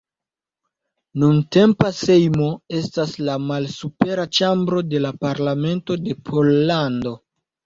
Nuntempa Sejmo estas la malsupera ĉambro de la parlamento de Pollando.